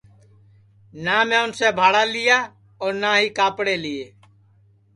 نہ میں اُنسے بھاڑا لیا اور نہ ہی کاپڑے لیئے